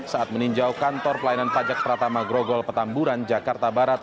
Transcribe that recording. saat meninjau kantor pelayanan pajak pratama grogol petamburan jakarta barat